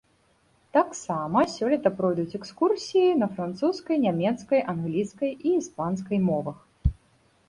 Таксама сёлета пройдуць экскурсіі на французскай, нямецкай, англійскай і іспанскай мовах.